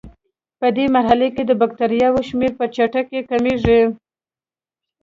پدې مرحله کې د بکټریاوو شمېر په چټکۍ کمیږي.